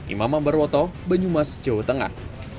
imam ambarwoto banyumas jawa tengah